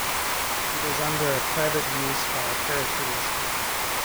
It is under a private use by a parachuting school.